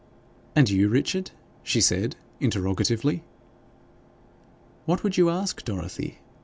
'And you, Richard?' she said, interrogatively. 'What would you ask, Dorothy?'